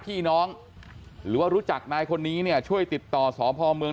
พี่น้องหรือว่ารู้จักนายคนนี้เนี่ยช่วยติดต่อสพเมือง